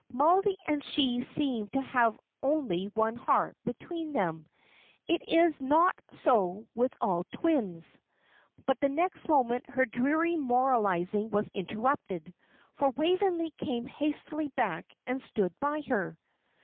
Mollie and she seem to have only one heart between them. It is not so with all twins." But the next moment her dreary moralising was interrupted; for Waveney came hastily back and stood by her.